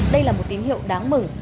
đây là một tín hiệu đáng mừng